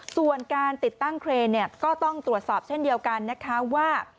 ส่วนการติดตั้งเครนเนี่ยก็ต้องตรวจสอบเช่นเดียวกันนะคะว่า